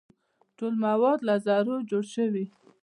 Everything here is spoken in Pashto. ټول مواد له ذرو جوړ شوي.